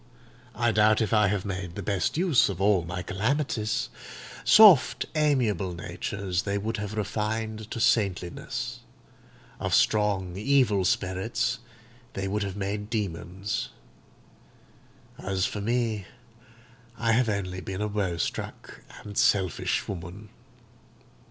I doubt if I have made the best use of all my calamities. Soft, amiable natures they would have refined to saintliness; of strong, evil spirits they would have made demons; as for me, I have only been a woe struck and selfish woman."